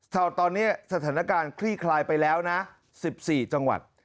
ตอนนี้สถานการณ์คลี่คลายไปแล้วนะ๑๔จังหวัด